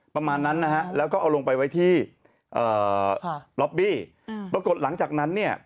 ประมาณนั้นนะฮะแล้วก็เอาลงไปไว้ที่เอ่อล็อบบี้อืมปรากฏหลังจากนั้นเนี่ย